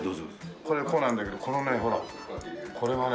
これこうなんだけどこのねほらこれはね